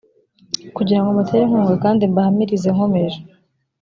kugira ngo mbatere inkunga kandi mbahamirize nkomeje